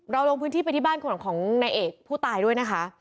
ลงพื้นที่ไปที่บ้านของนายเอกผู้ตายด้วยนะคะ